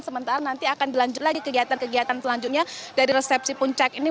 sementara nanti akan dilanjut lagi kegiatan kegiatan selanjutnya dari resepsi puncak ini